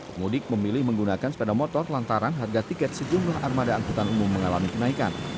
pemudik memilih menggunakan sepeda motor lantaran harga tiket sejumlah armada angkutan umum mengalami kenaikan